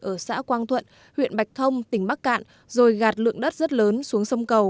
ở xã quang thuận huyện bạch thông tỉnh bắc cạn rồi gạt lượng đất rất lớn xuống sông cầu